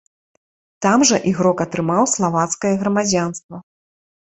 Там жа ігрок атрымаў славацкае грамадзянства.